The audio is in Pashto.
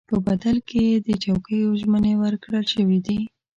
په بدل کې یې د چوکیو ژمنې ورکړل شوې دي.